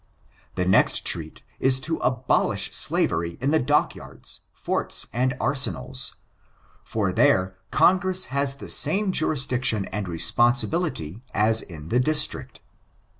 The next treat is to abolish slavery in the dockyards, forts, and arsenals, for there Congress has the same jurisdiction and responsibility as in the District.